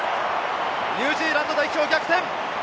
ニュージーランド代表、逆転！